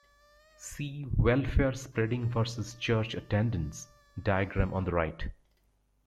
See "Welfare spending versus Church attendance" diagram on the right.